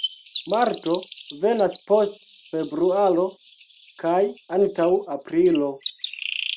Marto venas post februaro kaj antaŭ aprilo.